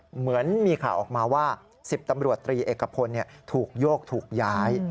เหมือนมีข่าวออกมาว่า๑๐ตำรวจตรีเอกพลถูกโยกถูกย้าย